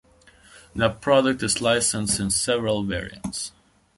The product is licensed in several variants.